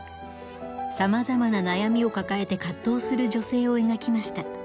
さまざまな悩みを抱えて葛藤する女性を描きました。